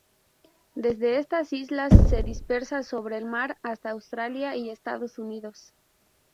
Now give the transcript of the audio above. Desde estas islas se dispersa sobre el mar hasta Australia y Estados Unidos.